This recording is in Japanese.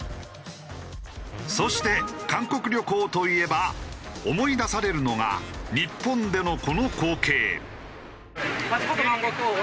そして韓国旅行といえば思い出されるのが日本でのこの光景。